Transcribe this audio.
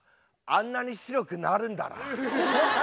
あんなに白くなるんだな。